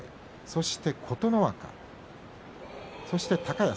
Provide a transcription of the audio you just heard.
そして琴ノ若、高安。